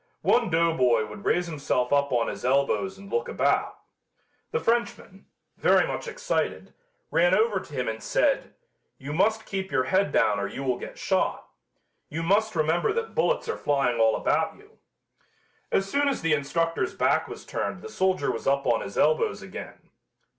One doughboy would raise himself up on his elbows and look about. The Frenchman, very much excited, ran over to him and said, "You must keep your head down or you will get shot. You must remember that bullets are flying all about you." As soon as the instructor's back was turned the soldier was up on his elbows again.